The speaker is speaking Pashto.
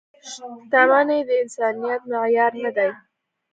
• شتمني د انسانیت معیار نه دی.